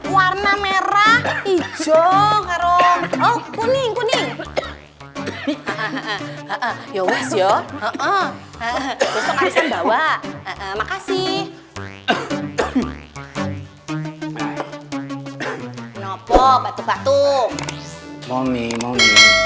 warna merah hijau kuning kuning makasih